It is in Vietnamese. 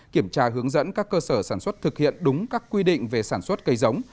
kiểm tra hướng dẫn các cơ sở sản xuất thực hiện đúng các quy định về sản xuất cây giống